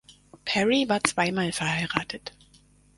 Parry war zweimal verheiratet.